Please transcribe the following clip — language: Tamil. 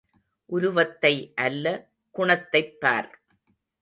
உருவத்தை அல்ல குணத்தைப் பார்.